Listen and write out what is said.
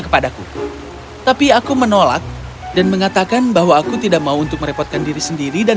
kepadaku tapi aku menolak dan mengatakan bahwa aku tidak mau untuk merepotkan diri sendiri dan